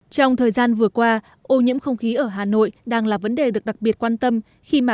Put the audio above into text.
trong thời gian vừa qua ô nhiễm không khí ở hà nội đang là vấn đề được đặc biệt quan tâm khi mà